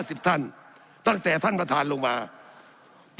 สับขาหลอกกันไปสับขาหลอกกันไป